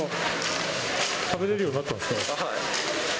食べれるようになったんですはい。